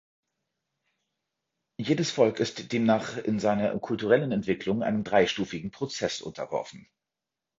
Jedes Volk ist demnach in seiner kulturellen Entwicklung einem dreistufigen Prozess unterworfen.